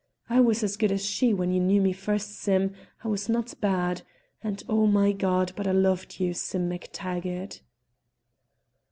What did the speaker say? I was as good as she when you knew me first, Sim; I was not bad, and oh, my God! but I loved you, Sim Mac Taggart!"